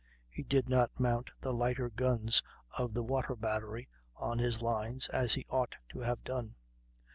He did not mount the lighter guns of the water battery on his lines, as he ought to have done.